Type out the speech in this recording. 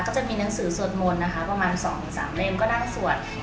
ก็จะมีหนังสือสวดมนต์นะคะประมาณสองหรือสามเล่มก็นั่งสวด